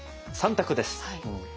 ３択です。